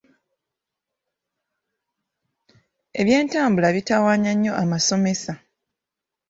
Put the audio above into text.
Ebyentambula bitawaanya nnyo amasomesa.